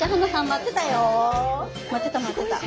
待ってた待ってた。